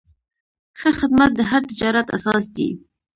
ښه خدمت د هر تجارت اساس دی.